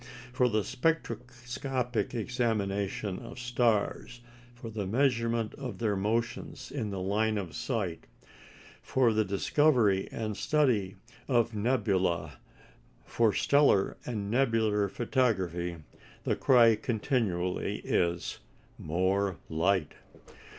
For the spectroscopic examination of stars, for the measurement of their motions in the line of sight, for the discovery and study of nebulæ, for stellar and nebular photography, the cry continually is "more light."